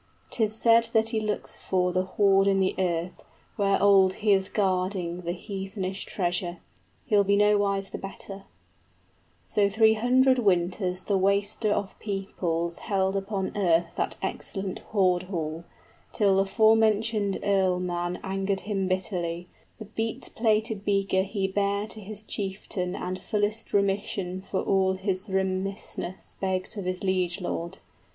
'Tis said that he looks for 55 The hoard in the earth, where old he is guarding The heathenish treasure; he'll be nowise the better. {The dragon meets his match.} So three hundred winters the waster of peoples Held upon earth that excellent hoard hall, Till the forementioned earlman angered him bitterly: 60 The beat plated beaker he bare to his chieftain And fullest remission for all his remissness Begged of his liegelord.